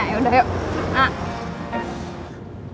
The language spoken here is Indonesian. ya udah yuk